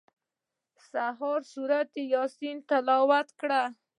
سهار سورت یاسین تلاوت کړه.